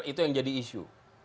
itu yang jadi isu